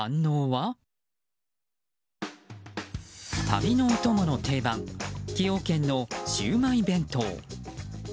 旅のお供の定番崎陽軒のシウマイ弁当。